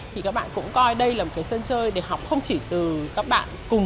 thì các bạn cũng coi đây là một cái sân chơi để học không chỉ từ các bạn cùng